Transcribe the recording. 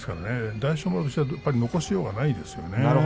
大翔丸としては残しようがないですね。